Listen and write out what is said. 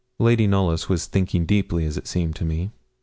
Lady Knollys was thinking deeply, as it seemed to me.